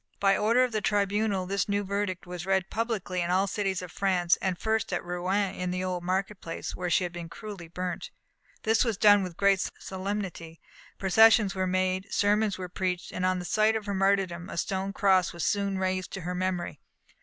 By order of the tribunal, this new verdict was read publicly in all the cities of France, and first at Rouen, and in the Old Market Place, where she had been cruelly burnt. This was done with great solemnity; processions were made, sermons were preached, and on the site of her martyrdom a stone cross was soon raised to her memory.